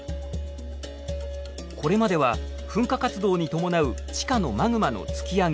これまでは噴火活動に伴う地下のマグマの突き上げ